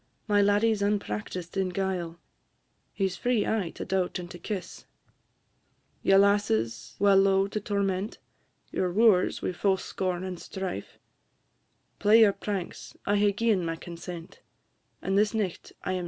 My laddie 's unpractised in guile, He 's free aye to daut and to kiss! Ye lasses wha lo'e to torment Your wooers wi' fause scorn and strife, Play your pranks I hae gi'en my consent, And this nicht I 'm Jamie's for life!